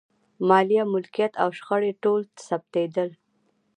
مالیه، ملکیت او شخړې ټول ثبتېدل.